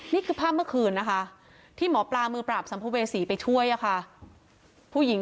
นี่คือภาพเมื่อคืนนะคะที่หมอปลามือปราบสัมภเวษีไปช่วยค่ะ